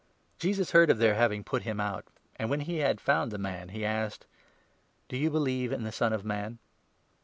Jesus heard of their having put him out ; and, when he had 35 found the man, he asked :" Do you believe in the Son of Man